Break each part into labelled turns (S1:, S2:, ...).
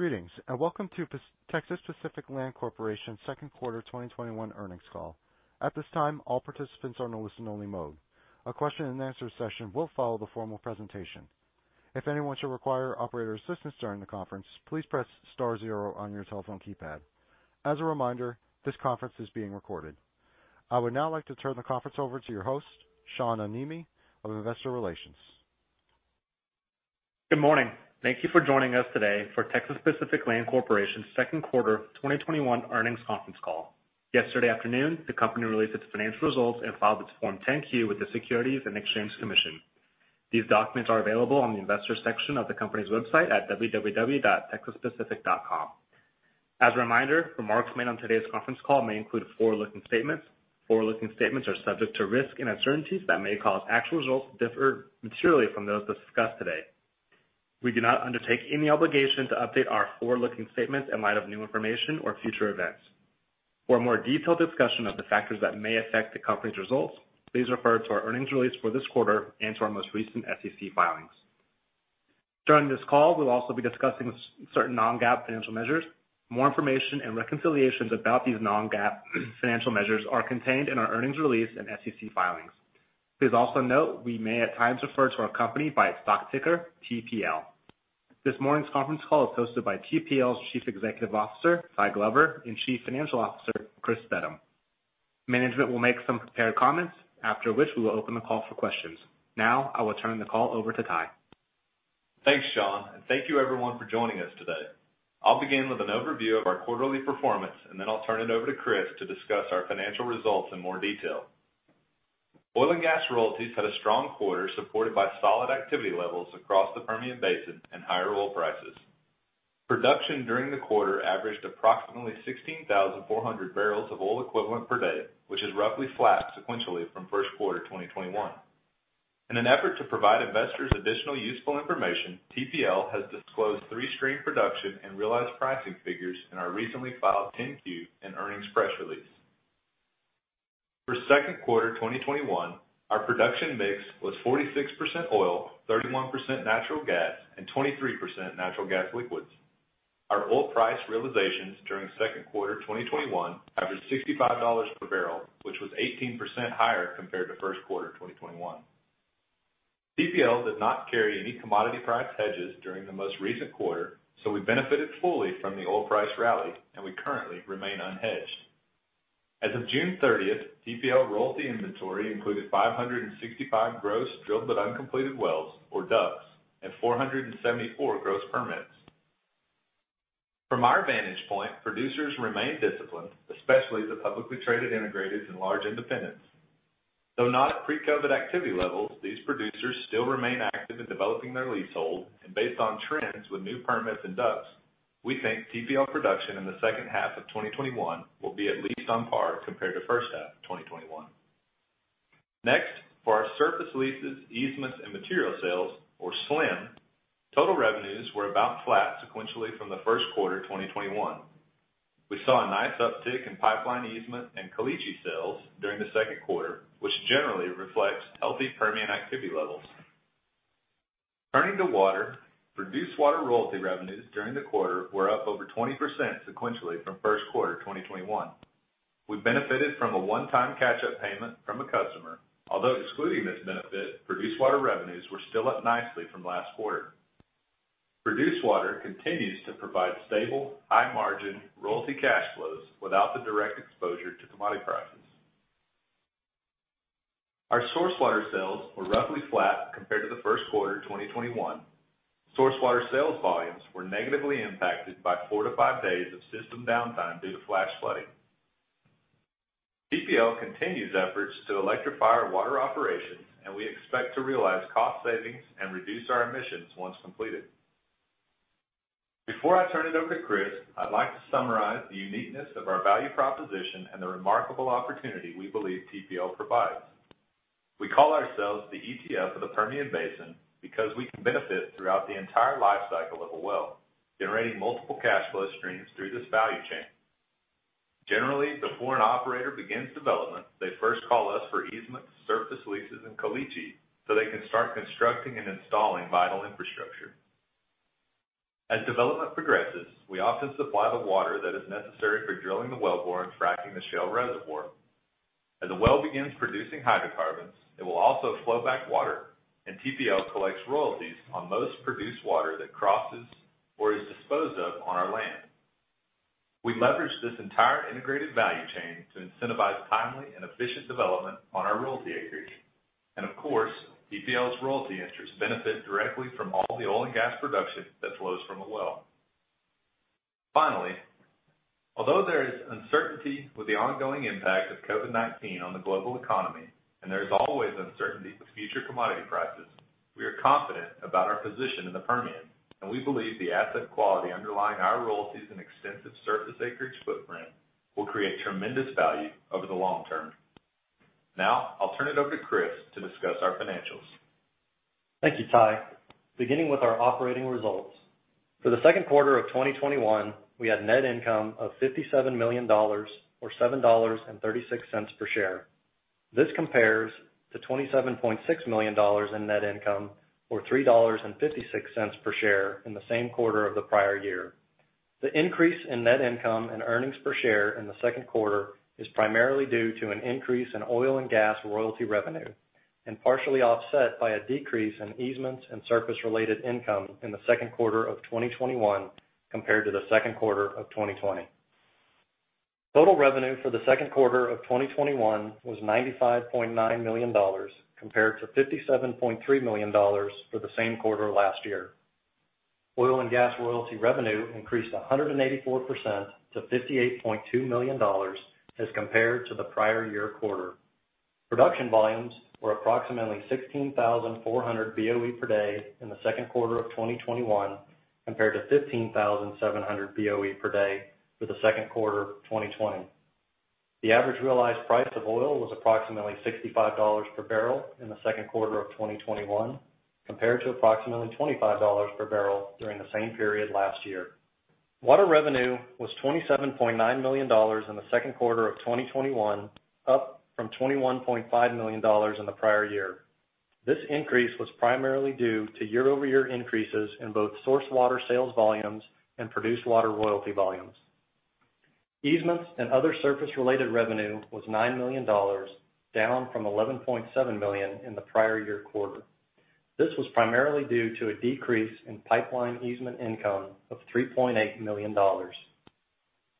S1: I would now like to turn the conference over to your host, Shawn Amini of Investor Relations.
S2: Good morning. Thank you for joining us today for Texas Pacific Land Corporation's second quarter 2021 earnings conference call. Yesterday afternoon, the company released its financial results and filed its Form 10-Q with the Securities and Exchange Commission. These documents are available on the investors section of the company's website at www.texaspacific.com. As a reminder, remarks made on today's conference call may include forward-looking statements. Forward-looking statements are subject to risks and uncertainties that may cause actual results to differ materially from those discussed today. We do not undertake any obligation to update our forward-looking statements in light of new information or future events. For a more detailed discussion of the factors that may affect the company's results, please refer to our earnings release for this quarter and to our most recent SEC filings. During this call, we'll also be discussing certain non-GAAP financial measures. More information and reconciliations about these non-GAAP financial measures are contained in our earnings release and SEC filings. Please also note we may at times refer to our company by its stock ticker, TPL. This morning's conference call is hosted by TPL's Chief Executive Officer, Ty Glover, and Chief Financial Officer, Chris Steddum. Management will make some prepared comments, after which we will open the call for questions. I will turn the call over to Ty.
S3: Thanks, Shawn, and thank you everyone for joining us today. I'll begin with an overview of our quarterly performance, and then I'll turn it over to Chris to discuss our financial results in more detail. Oil and gas royalties had a strong quarter, supported by solid activity levels across the Permian Basin and higher oil prices. Production during the quarter averaged approximately 16,400 bbl of oil equivalent per day, which is roughly flat sequentially from first quarter 2021. In an effort to provide investors additional useful information, TPL has disclosed three stream production and realized pricing figures in our recently filed 10-Q and earnings press release. For second quarter 2021, our production mix was 46% oil, 31% natural gas, and 23% natural gas liquids. Our oil price realizations during second quarter 2021 averaged $65/bbl, which was 18% higher compared to first quarter 2021. TPL did not carry any commodity price hedges during the most recent quarter, so we benefited fully from the oil price rally, and we currently remain unhedged. As of June 30th, TPL royalty inventory included 565 gross drilled but uncompleted wells, or DUCs, and 474 gross permits. From our vantage point, producers remain disciplined, especially the publicly traded integrateds and large independents. Though not at pre-COVID-19 activity levels, these producers still remain active in developing their leasehold, and based on trends with new permits and DUCs, we think TPL production in the second half of 2021 will be at least on par compared to first half 2021. Next, for our Surface Leases, Easements, and Material Sales, or SLEM, total revenues were about flat sequentially from the first quarter 2021. We saw a nice uptick in pipeline easement and caliche sales during the second quarter, which generally reflects healthy Permian activity levels. Turning to water, produced water royalty revenues during the quarter were up over 20% sequentially from first quarter 2021. We benefited from a one-time catch-up payment from a customer. Although excluding this benefit, produced water revenues were still up nicely from last quarter. Produced water continues to provide stable, high-margin royalty cash flows without the direct exposure to commodity prices. Our source water sales were roughly flat compared to the first quarter 2021. Source water sales volumes were negatively impacted by four to five days of system downtime due to flash flooding. TPL continues efforts to electrify our water operations, and we expect to realize cost savings and reduce our emissions once completed. Before I turn it over to Chris, I'd like to summarize the uniqueness of our value proposition and the remarkable opportunity we believe TPL provides. We call ourselves the ETF of the Permian Basin because we can benefit throughout the entire life cycle of a well, generating multiple cash flow streams through this value chain. Generally, before an operator begins development, they first call us for easements, surface leases, and caliche so they can start constructing and installing vital infrastructure. As development progresses, we often supply the water that is necessary for drilling the well bore and fracking the shale reservoir. As the well begins producing hydrocarbons, it will also flow back water, and TPL collects royalties on most produced water that crosses or is disposed of on our land. We leverage this entire integrated value chain to incentivize timely and efficient development on our royalty acreage. Of course, TPL's royalty interests benefit directly from all the oil and gas production that flows from a well. Finally, although there is uncertainty with the ongoing impact of COVID-19 on the global economy, and there is always uncertainty with future commodity prices, we are confident about our position in the Permian, and we believe the asset quality underlying our royalties and extensive surface acreage footprint will create tremendous value over the long term. Now, I'll turn it over to Chris to discuss our financials.
S4: Thank you, Ty. Beginning with our operating results. For the second quarter of 2021, we had net income of $57 million, or $7.36 per share. This compares to $27.6 million in net income or $3.56 per share in the same quarter of the prior year. The increase in net income and earnings per share in the second quarter is primarily due to an increase in oil and gas royalty revenue, and partially offset by a decrease in easements and surface related income in the second quarter of 2021 compared to the second quarter of 2020. Total revenue for the second quarter of 2021 was $95.9 million, compared to $57.3 million for the same quarter last year. Oil and gas royalty revenue increased 184% to $58.2 million as compared to the prior year quarter. Production volumes were approximately 16,400 BOE per day in the second quarter of 2021, compared to 15,700 BOE per day for the second quarter of 2020. The average realized price of oil was approximately $65/bbl in the second quarter of 2021, compared to approximately $25/bbl during the same period last year. Water revenue was $27.9 million in the second quarter of 2021, up from $21.5 million in the prior year. This increase was primarily due to year-over-year increases in both source water sales volumes and produced water royalty volumes. Easements and other surface related revenue was $9 million, down from $11.7 million in the prior year quarter. This was primarily due to a decrease in pipeline easement income of $3.8 million.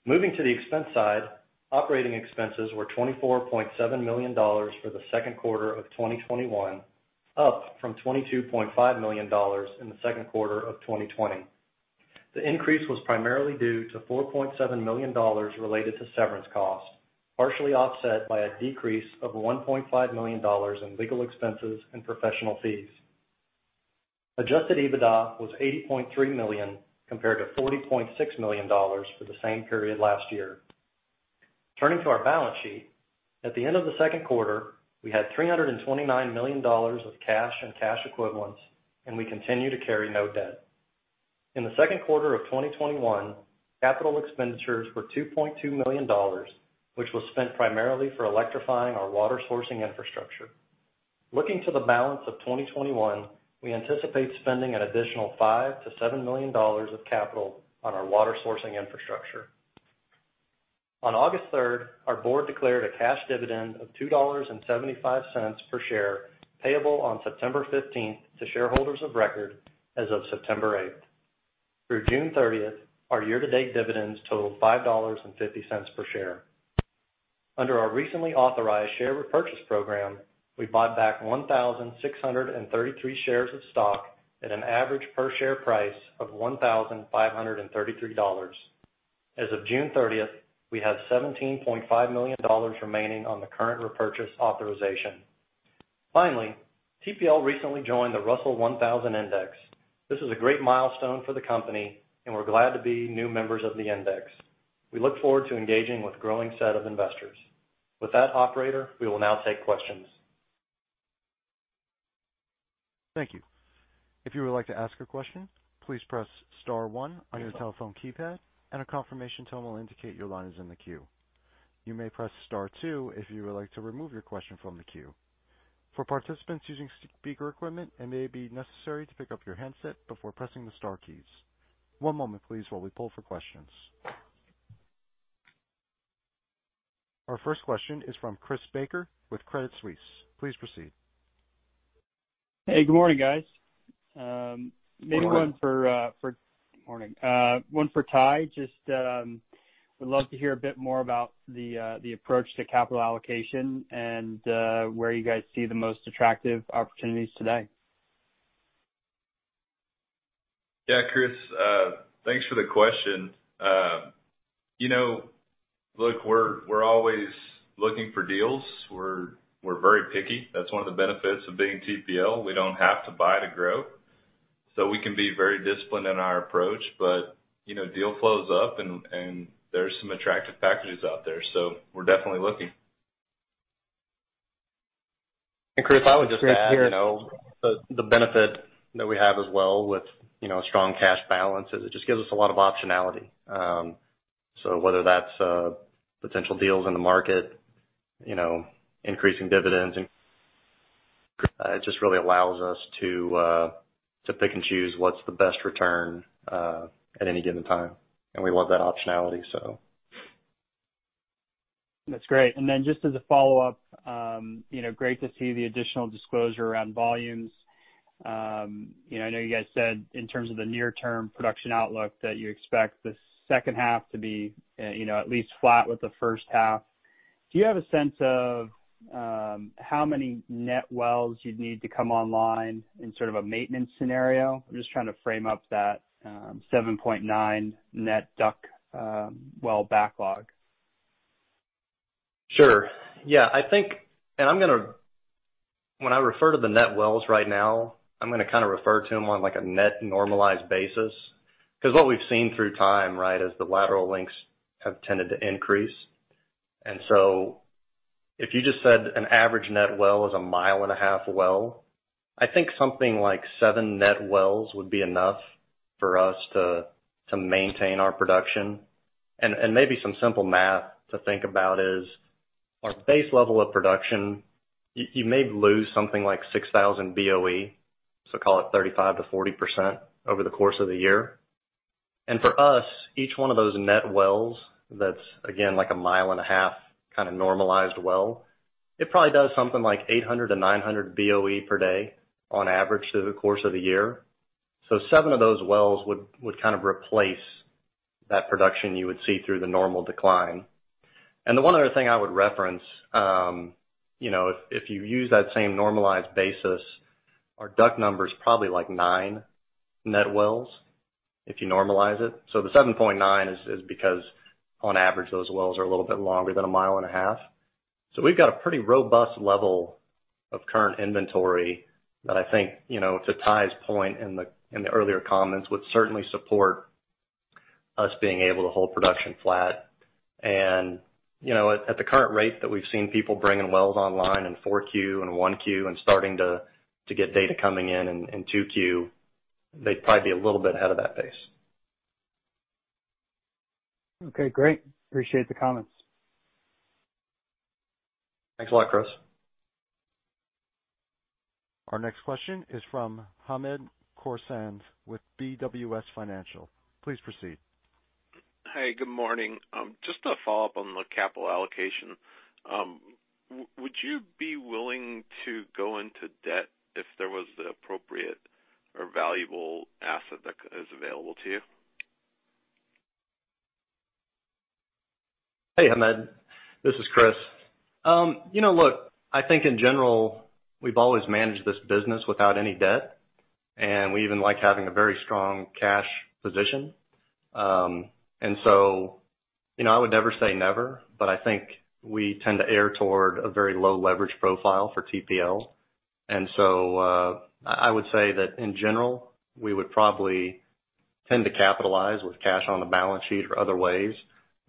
S4: Moving to the expense side, operating expenses were $24.7 million for the second quarter of 2021, up from $22.5 million in the second quarter of 2020. The increase was primarily due to $4.7 million related to severance costs, partially offset by a decrease of $1.5 million in legal expenses and professional fees. Adjusted EBITDA was $80.3 million, compared to $40.6 million for the same period last year. Turning to our balance sheet. At the end of the second quarter, we had $329 million of cash and cash equivalents, and we continue to carry no debt. In the second quarter of 2021, capital expenditures were $2.2 million, which was spent primarily for electrifying our water sourcing infrastructure. Looking to the balance of 2021, we anticipate spending an additional $5 million-$7 million of capital on our water sourcing infrastructure. On August 3rd, our board declared a cash dividend of $2.75 per share, payable on September 15th to shareholders of record as of September 8th. Through June 30th, our year-to-date dividends totaled $5.50 per share. Under our recently authorized share repurchase program, we bought back 1,633 shares of stock at an average per share price of $1,533. As of June 30th, we have $17.5 million remaining on the current repurchase authorization. Finally, TPL recently joined the Russell 1000 Index. This is a great milestone for the company, and we're glad to be new members of the index. We look forward to engaging with a growing set of investors. With that, operator, we will now take questions.
S1: Thank you. If you would like to ask a question, please press star one on your telephone keypad, and a confirmation tone will indicate your line is in the queue. You may press star two if you would like to remove your question from the queue. For participants using speaker equipment, it may be necessary to pick up your handset before pressing the star keys. One moment, please, while we pull for questions. Our first question is from Chris Baker with Credit Suisse. Please proceed.
S5: Hey, good morning, guys.
S4: Good morning.
S5: Maybe one for Ty. Just would love to hear a bit more about the approach to capital allocation and where you guys see the most attractive opportunities today?
S3: Yeah, Chris, thanks for the question. Look, we're always looking for deals. We're very picky. That's one of the benefits of being TPL. We don't have to buy to grow, so we can be very disciplined in our approach. Deal flow's up, and there's some attractive packages out there. We're definitely looking.
S4: Chris, I would just add the benefit that we have as well with a strong cash balance is it just gives us a lot of optionality. Whether that's potential deals in the market, increasing dividends, and it just really allows us to pick and choose what's the best return at any given time, and we love that optionality.
S5: That's great. Just as a follow-up, great to see the additional disclosure around volumes. I know you guys said in terms of the near-term production outlook that you expect the second half to be at least flat with the first half. Do you have a sense of how many net wells you'd need to come online in sort of a maintenance scenario? I'm just trying to frame up that 7.9 net DUC well backlog.
S4: Sure. When I refer to the net wells right now, I'm going to kind of refer to them on a net normalized basis because what we've seen through time is the lateral lengths have tended to increase. If you just said an average net well is a mile and a half well, I think something like 7 net wells would be enough for us to maintain our production. Maybe some simple math to think about is our base level of production, you may lose something like 6,000 BOE, so call it 35%-40% over the course of the year. For us, each one of those net wells, that's, again, like a mile and a half kind of normalized well, it probably does something like 800 BOE/d-900 BOE/d on average through the course of the year. Seven of those wells would kind of replace that production you would see through the normal decline. The one other thing I would reference, if you use that same normalized basis, our DUC number's probably like nine net wells if you normalize it. The 7.9 is because on average, those wells are a little bit longer than a mile and a half. We've got a pretty robust level of current inventory that I think, to Ty's point in the earlier comments, would certainly support us being able to hold production flat. At the current rate that we've seen people bringing wells online in 4Q and 1Q and starting to get data coming in in 2Q, they'd probably be a little bit ahead of that pace.
S5: Okay, great. Appreciate the comments.
S4: Thanks a lot, Chris.
S1: Our next question is from Hamed Khorsand with BWS Financial. Please proceed.
S6: Hey, good morning. Just to follow up on the capital allocation, would you be willing to go into debt if there was the appropriate or valuable asset that is available to you?
S4: Hey, Hamed, this is Chris. Look, I think in general, we've always managed this business without any debt, and we even like having a very strong cash position. So, I would never say never, but I think we tend to err toward a very low leverage profile for TPL. So, I would say that in general, we would probably tend to capitalize with cash on the balance sheet or other ways,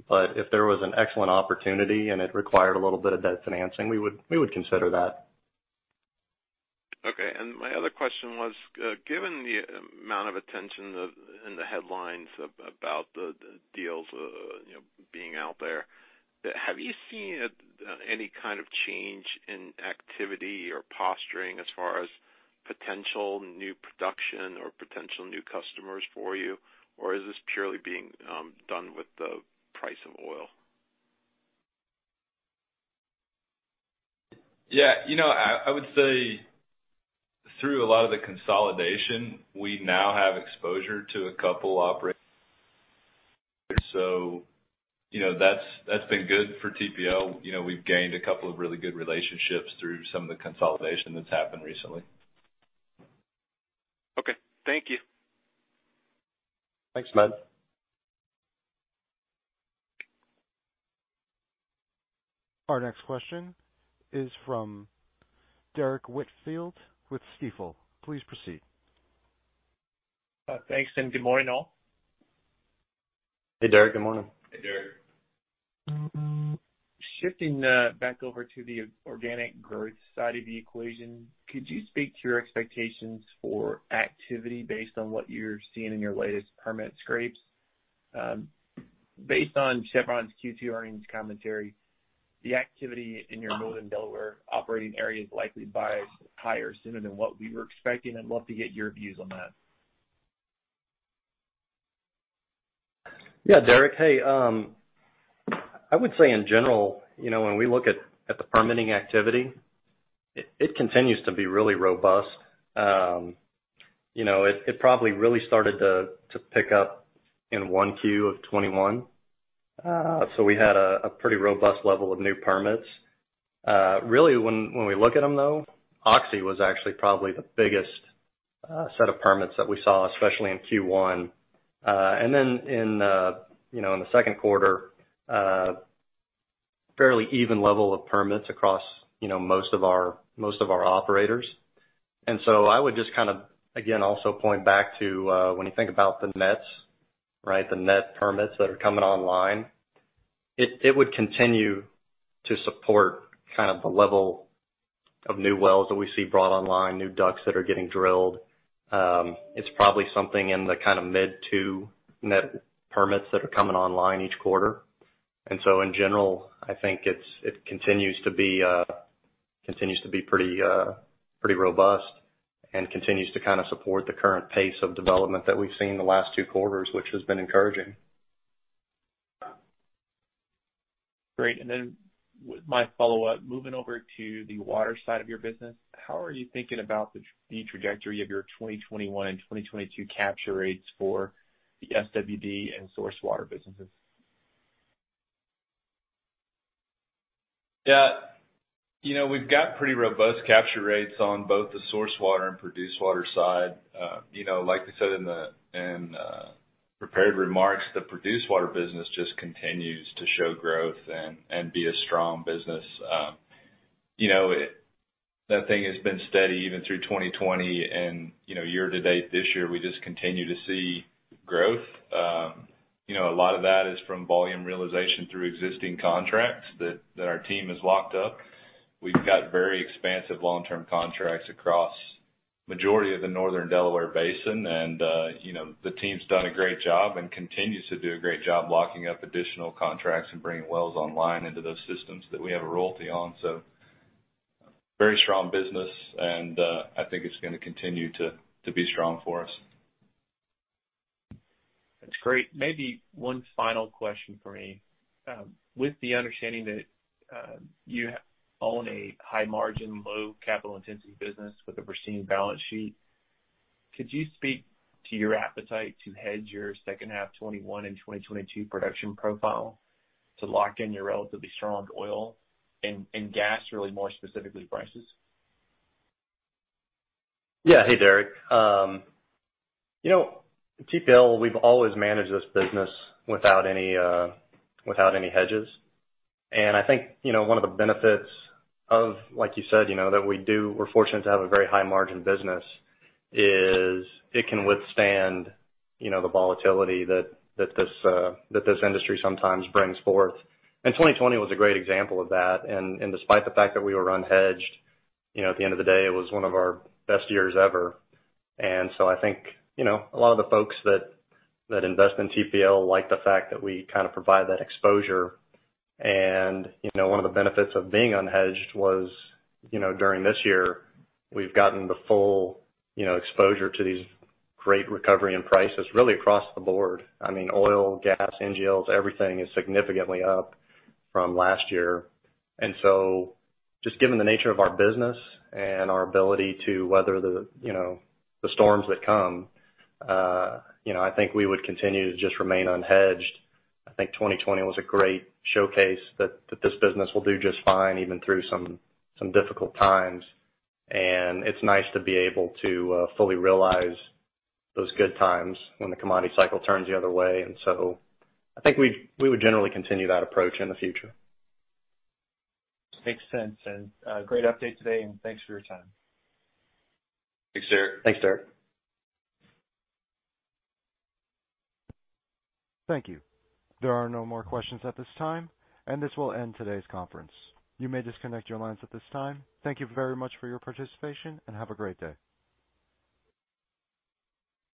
S4: but if there was an excellent opportunity and it required a little bit of debt financing, we would consider that.
S6: Okay. My other question was, given the amount of attention in the headlines about the deals being out there, have you seen any kind of change in activity or posturing as far as potential new production or potential new customers for you, or is this purely being done with the price of oil?
S4: Yeah. I would say through a lot of the consolidation, we now have exposure to a couple operators. That's been good for TPL. We've gained a couple of really good relationships through some of the consolidation that's happened recently.
S6: Okay. Thank you.
S4: Thanks, Hamed.
S1: Our next question is from Derrick Whitfield with Stifel. Please proceed.
S7: Thanks. Good morning, all.
S4: Hey, Derrick. Good morning.
S3: Hey, Derrick.
S7: Shifting back over to the organic growth side of the equation, could you speak to your expectations for activity based on what you're seeing in your latest permit scrapes? Based on Chevron's Q2 earnings commentary, the activity in your Northern Delaware operating area is likely to rise higher sooner than what we were expecting. I'd love to get your views on that.
S4: Yeah. Derrick, hey. I would say in general, when we look at the permitting activity, it continues to be really robust. It probably really started to pick up in 1Q 2021. We had a pretty robust level of new permits. Really, when we look at them, though, Oxy was actually probably the biggest set of permits that we saw, especially in Q1. In the second quarter, fairly even level of permits across most of our operators. I would just kind of, again, also point back to when you think about the nets, right? The net permits that are coming online, it would continue to support the kind of level of new wells that we see brought online, new DUCs that are getting drilled. It's probably something in the kind of mid 2 net permits that are coming online each quarter. In general, I think it continues to be pretty robust and continues to kind of support the current pace of development that we've seen the last 2 quarters, which has been encouraging.
S7: Great. My follow-up, moving over to the water side of your business, how are you thinking about the trajectory of your 2021 and 2022 capture rates for the SWD and source water businesses?
S3: Yeah. We've got pretty robust capture rates on both the source water and produced water side. Like I said in the prepared remarks, the produced water business just continues to show growth and be a strong business. That thing has been steady even through 2020 and year to date this year, we just continue to see growth. A lot of that is from volume realization through existing contracts that our team has locked up. We've got very expansive long-term contracts across majority of the Northern Delaware Basin. The team's done a great job and continues to do a great job locking up additional contracts and bringing wells online into those systems that we have a royalty on. Very strong business, and I think it's going to continue to be strong for us.
S7: That's great. Maybe one final question for me. With the understanding that you own a high margin, low capital intensity business with a pristine balance sheet, could you speak to your appetite to hedge your second half 2021 and 2022 production profile to lock in your relatively strong oil and gas, really more specifically, prices?
S4: Hey, Derrick. TPL, we've always managed this business without any hedges. I think, one of the benefits of, like you said, that we're fortunate to have a very high margin business is it can withstand the volatility that this industry sometimes brings forth. 2020 was a great example of that. Despite the fact that we were unhedged, at the end of the day, it was one of our best years ever. I think, a lot of the folks that invest in TPL like the fact that we kind of provide that exposure. One of the benefits of being unhedged was, during this year, we've gotten the full exposure to these great recovery and prices, really across the board. I mean, oil, gas, NGLs, everything is significantly up from last year. Just given the nature of our business and our ability to weather the storms that come, I think we would continue to just remain unhedged. I think 2020 was a great showcase that this business will do just fine, even through some difficult times. It's nice to be able to fully realize those good times when the commodity cycle turns the other way. I think we would generally continue that approach in the future.
S7: Makes sense. Great update today, and thanks for your time.
S4: Thanks, Derrick.
S3: Thanks, Derrick.
S1: Thank you. There are no more questions at this time, and this will end today's conference. You may disconnect your lines at this time. Thank you very much for your participation, and have a great day.